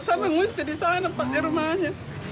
sama ngusya di sana pak di rumahnya